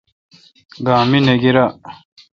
گا می نہ گیرا۔